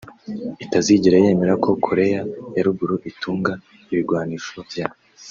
itazigera yemera ko Korea ya Ruguru itunga ibigwanisho vya